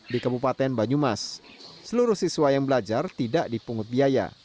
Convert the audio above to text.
di kabupaten banyumas seluruh siswa yang belajar tidak dipungut biaya